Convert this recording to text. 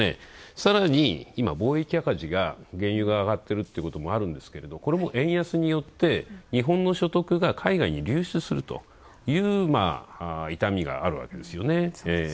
さらに、今、貿易赤字が原油が上がっているということもあるんですが、これも円安によって日本の所得が海外に流出するという痛みがあるわけですよね。